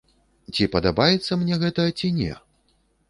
Ці падабаецца мне гэта ці не?